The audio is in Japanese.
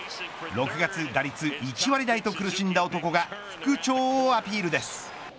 ６月、打率１割台と苦しんだ男が復調をアピールです。